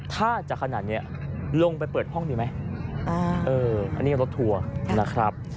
ถ้าจะขนาดนี้ลงไปเปิดห้องดีไหมอันนี้รถทัวร์นะครับ